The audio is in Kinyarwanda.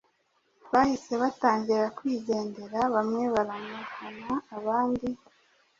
bahise batangira kwigendera, bamwe baramuhana abandi